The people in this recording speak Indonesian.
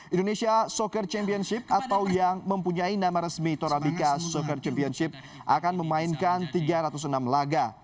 indonesia soccer championship atau yang mempunyai nama resmi torabica soccer championship akan memainkan tiga ratus enam laga